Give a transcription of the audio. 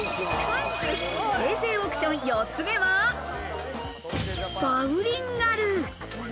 平成オークション４つ目は、バウリンガル。